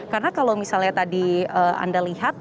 karena kalau misalnya tadi anda lihat